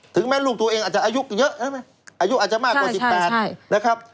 แม่ลูกตัวเองอาจจะอายุเยอะใช่ไหมอายุอาจจะมากกว่า๑๘นะครับ